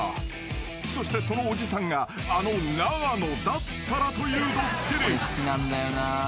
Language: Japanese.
そしてそのおじさんがあの永野だったらというドッキリ］